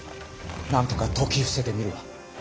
なんとか説き伏せてみるわ。